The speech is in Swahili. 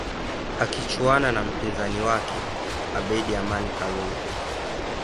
Akichuana na mpinzani wake Abeid Amani Karume